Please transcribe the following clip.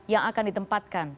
yang akan ditempatkan